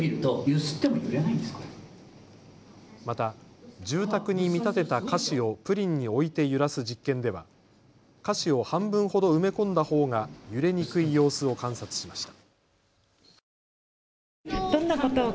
また住宅に見立てた菓子をプリンに置いて揺らす実験では菓子を半分ほど埋め込んだほうが揺れにくい様子を観察しました。